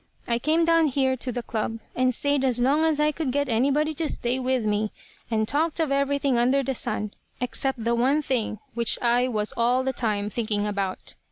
I came down here to the Club, and stayed as long as I could get anybody to stay with me, and talked of everything under the sun except the one thing which I was all the time thinking about.